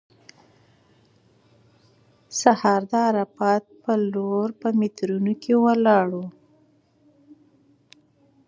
سهار د عرفات په لور په میټرو کې ولاړو.